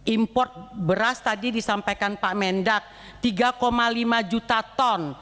import beras tadi disampaikan pak mendak tiga lima juta ton